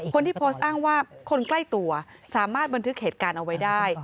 คนที่โพสต์อ้างว่าคนใกล้ตัวสามารถบันทึกเหตุการณ์เอาไว้ได้